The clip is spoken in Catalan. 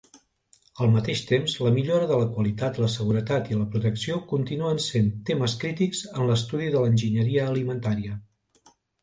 Al mateix temps, la millora de la qualitat, la seguretat i la protecció continuen sent temes crítics en l'estudi de l'enginyeria alimentària.